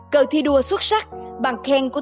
cờ thi đua xuất sắc bằng khen của